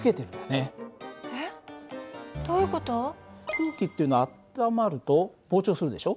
空気っていうのは温まると膨張するでしょ。